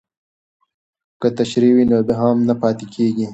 که تشریح وي نو ابهام نه پاتې کیږي.